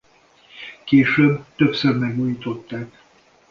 Később többször megújították.